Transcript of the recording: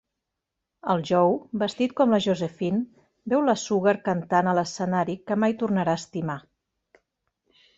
El Joe, vestit com la Josephine, veu la Sugar cantant a l'escenari que mai tornarà a estimar.